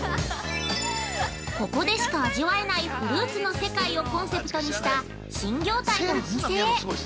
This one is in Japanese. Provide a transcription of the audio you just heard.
◆ここでしか味わえないフルーツの世界をコンセプトにした新業態のお店へ。